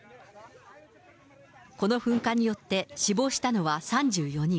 この噴火によって死亡したのは、３４人。